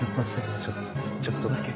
ちょっとちょっとだけ。